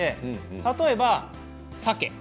例えば、さけ。